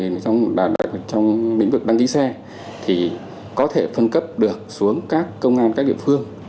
trong lĩnh vực đăng ký xe thì có thể phân cấp được xuống các công an các địa phương